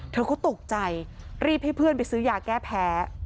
เธอก็ตกใจรีบให้เพื่อนไปซื้อยาแก้แพ้